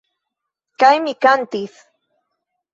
Kaj mi kantis.